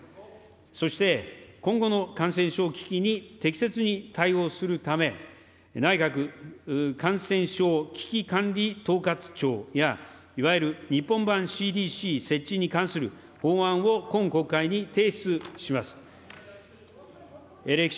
そして、今後の感染症危機に適切に対応するため、内閣感染症危機管理統括庁やいわゆる日本版ＣＤＣ設置に関する法案を今国会に提出します。